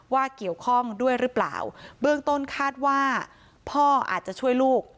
ว่าเกี่ยวข้องด้วยหรือเปล่าเบื้องต้นคาดว่าพ่ออาจจะช่วยลูก